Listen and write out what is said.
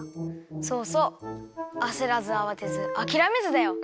そうそうあせらずあわてずあきらめずだよ。